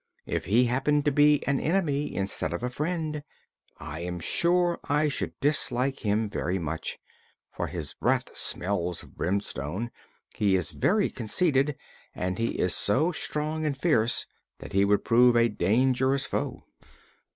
If he happened to be an enemy, instead of a friend, I am sure I should dislike him very much, for his breath smells of brimstone, he is very conceited and he is so strong and fierce that he would prove a dangerous foe."